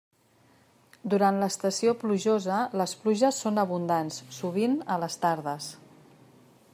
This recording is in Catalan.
Durant l'estació plujosa, les pluges són abundants, sovint a les tardes.